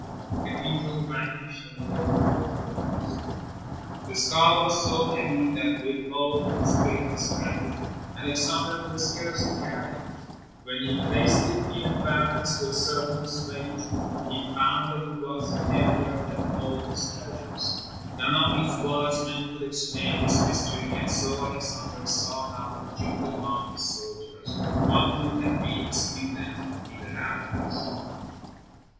The angel vanished and the golden door closed. The skull was so heavy that, with all his great strength, Alexander could scarcely carry it. When he placed it in a balance to ascertain its weight, he found that it was heavier than all his treasures. None of his wise men could explain this mystery and so Alexander sought out a Jew among his soldiers, one who had been a student with the rabbis.